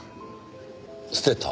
捨てた？